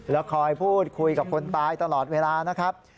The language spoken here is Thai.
แล้วคอยพูดคุยกับคนตายตลอดเวลานะครับ